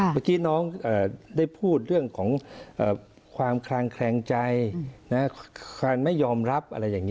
เมื่อกี้น้องได้พูดเรื่องของความคลางแคลงใจการไม่ยอมรับอะไรอย่างนี้